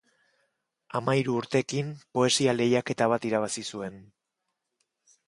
Hamahiru urteekin poesia lehiaketa bat irabazi zuen.